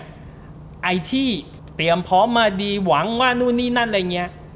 ไอ้ที่เตรียมพร้อมมาดีหวังว่านู่นนี่นั่นอะไรอย่างนี้